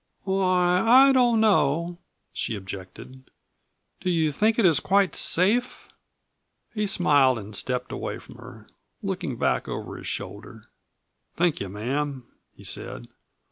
"Why, I don't know," she objected. "Do you think it is quite safe?" He smiled and stepped away from her, looking back over his shoulder. "Thank you, ma'am," he said.